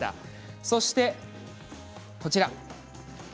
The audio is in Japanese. そしてこちらです。